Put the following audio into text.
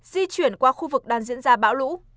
di chuyển qua khu vực đang diễn ra bão lũ